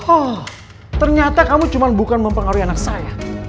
oh ternyata kamu cuma bukan mempengaruhi anak saya